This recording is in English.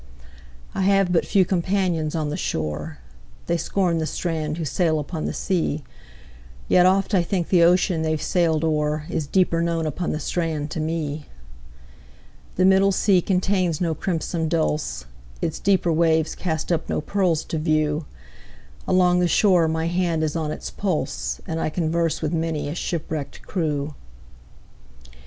I have but few companions on the shore:They scorn the strand who sail upon the sea; Yet oft I think the ocean they've sailed o'erIs deeper known upon the strand to me. The middle sea contains no crimson dulse, Its deeper waves cast up no pearls to view; Along the shore my hand is on its pulse, And I converse with many a shipwrecked crew.